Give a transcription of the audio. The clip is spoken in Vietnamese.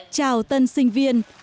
chào tân sinh viên